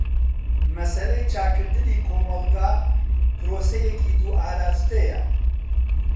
مەسەلەی چاکردنی کۆمەلگا پرۆسەیەکی دوو ئاراستەیە.